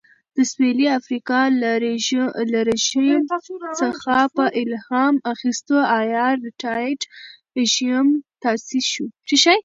د سوېلي افریقا له رژیم څخه په الهام اخیستو اپارټایډ رژیم تاسیس شو.